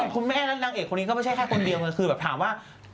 คุณแม่และนางเอกคนนี้ก็ไม่ใช่แค่คนเดียวไงคือแบบถามว่า